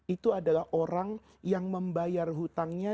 itu adalah orang yang membayar hutangnya